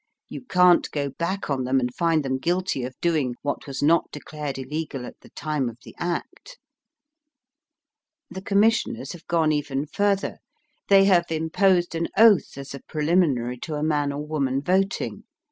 You can't go back on them and find them guilty of doing what was not declared illegal at the time of the Act. The Commissioners have gone even further. They have imposed an oath as a preliminary to a man or woman voting.